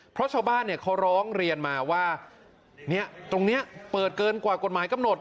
เพราะชาวบ้านเขาร้องเรียนมาว่าตรงนี้เปิดเกินกว่ากฎหมายกำหนด